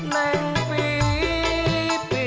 menulisnya kalau dikira seperti ini